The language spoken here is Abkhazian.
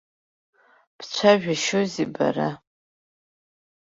Бцәажәашьоузеи, бара?